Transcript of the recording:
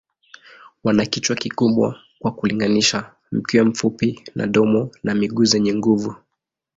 Wana kichwa kikubwa kwa kulinganisha, mkia mfupi na domo na miguu zenye nguvu.